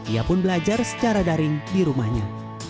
ia pun belajar secara daring di rumahnya